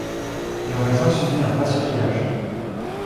Le raisin subit un passerillage.